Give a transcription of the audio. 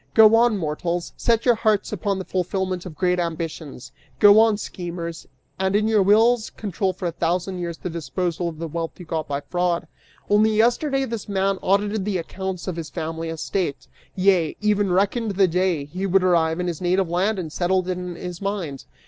Go on, mortals; set your hearts upon the fulfillment of great ambitions: Go on, schemers, and in your wills control for a thousand years the disposal of the wealth you got by fraud! Only yesterday this man audited the accounts of his family estate, yea, even reckoned the day he would arrive in his native land and settled it in his mind!